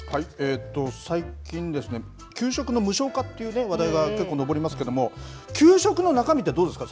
最近ですね、給食の無償化っていうね、話題が結構上りますけれども、給食の中身ってどうですか？